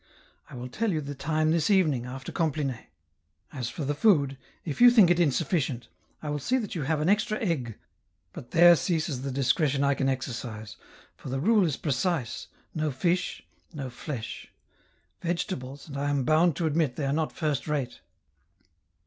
T will tell you the time this evening, after compline. As for the food, if you think it insufficient, I will see that you have an extra egg, but there ceases the discretion I can exercise, for the rule is precise, no fish, no flesh — vegetables, and I am bound to admit they are not first rate.